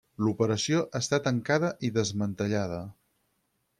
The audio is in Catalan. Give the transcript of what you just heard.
L'operació està tancada i desmantellada.